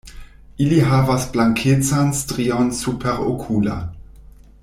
Ili havas blankecan strion superokulan.